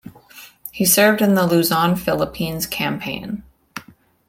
He served in the Luzon Philippines Campaign.